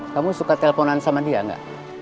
kamu suka telfonan sama dia gak